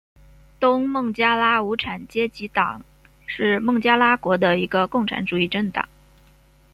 东孟加拉无产阶级党是孟加拉国的一个共产主义政党。